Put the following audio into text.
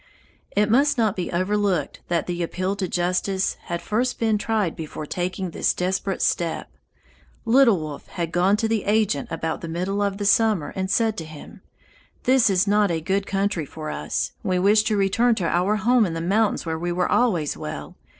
It must not be overlooked that the appeal to justice had first been tried before taking this desperate step. Little Wolf had gone to the agent about the middle of the summer and said to him: "This is not a good country for us, and we wish to return to our home in the mountains where we were always well.